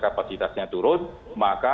kapasitasnya turun maka